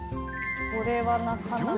これはなかなか。